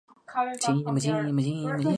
刘宽人。